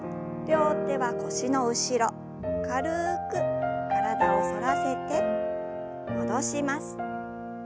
両手は腰の後ろ軽く体を反らせて戻します。